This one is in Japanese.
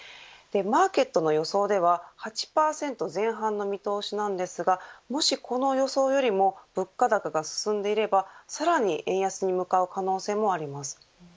マーケットの予想では８％前半の見通しですがもしこの予想よりも物価高が進んでいればさらに円安に向かう可能性もあります。